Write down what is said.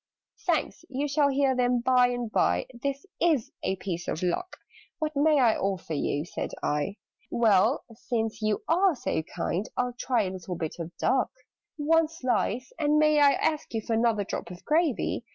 "Thanks! You shall hear them by and by This is a piece of luck!" "What may I offer you?" said I. "Well, since you are so kind, I'll try A little bit of duck. "One slice! And may I ask you for Another drop of gravy?"